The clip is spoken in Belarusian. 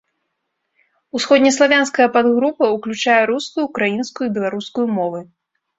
Усходнеславянская падгрупа ўключае рускую, украінскую і беларускую мовы.